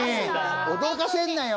驚かせんなよ。